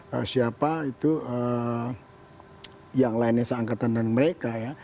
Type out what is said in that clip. nah siapa itu yang lainnya seangkatan dan mereka ya